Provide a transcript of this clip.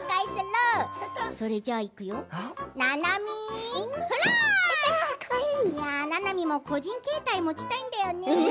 ななみも個人携帯持ちたいんだよね。